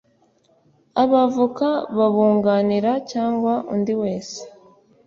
abavoka babunganira cyangwa undi wese